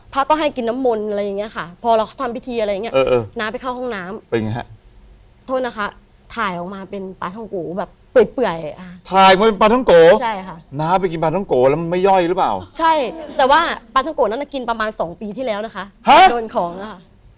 พระก็ให้กินน้ำมนต์อะไรอย่างเงี้ยค่ะพอเราทำพิธีอะไรอย่างเงี้เออน้าไปเข้าห้องน้ำเป็นไงฮะโทษนะคะถ่ายออกมาเป็นปลาท้องโกแบบเปื่อยถ่ายมาเป็นปลาท้องโกใช่ค่ะน้าไปกินปลาท้องโกะแล้วมันไม่ย่อยหรือเปล่าใช่แต่ว่าปลาท้องโกะนั้นน่ะกินประมาณสองปีที่แล้วนะคะโดนของนะคะ